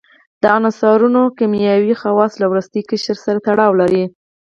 د عنصرونو کیمیاوي خواص له وروستي قشر سره تړاو لري.